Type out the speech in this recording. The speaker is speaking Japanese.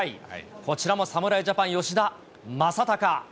こちらもサプライジャパン、吉田正尚。